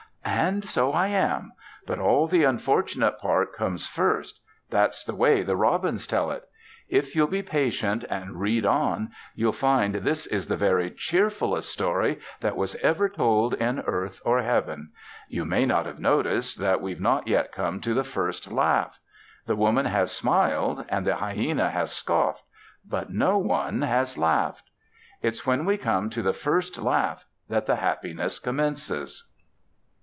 And so I am: but all the unfortunate part comes first that's the way the robins tell it. If you'll be patient and read on, you'll find this is the very cheerfullest story that was ever told in earth or heaven. You may not have noticed that we've not yet come to the first laugh. The Woman has smiled and the hyena has scoffed; but no one has laughed. It's when we come to the first laugh that the happiness commences.